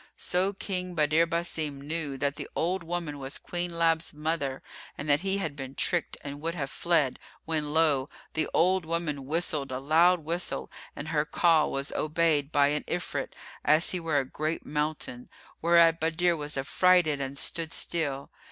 So King Badr Basim knew that the old woman was Queen Lab's mother and that he had been tricked and would have fled; when, lo! the old woman whistled a loud whistle and her call was obeyed by an Ifrit as he were a great mountain, whereat Badr was affrighted and stood still.